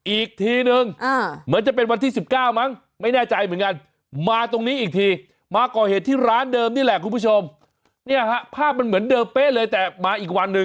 อีกทีนึงเหมือนจะเป็นวันที่๑๙มั้งไม่แน่ใจเหมือนกันมาตรงนี้อีกทีมาก่อเหตุที่ร้านเดิมนี่แหละคุณผู้ชมเนี่ยฮะภาพมันเหมือนเดิมเป๊ะเลยแต่มาอีกวันหนึ่ง